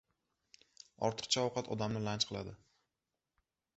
• Ortiqcha ovqat odamni lanj qiladi.